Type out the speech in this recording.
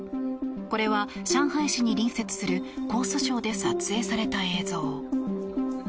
これは上海市に隣接する江蘇省で撮影された映像。